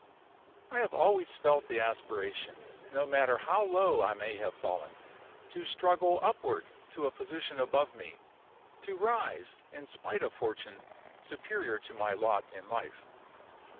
"I have always felt the aspiration, no matter how low I may have fallen, to struggle upward to a position above me; to rise, in spite of fortune, superior to my lot in life.